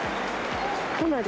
かなり？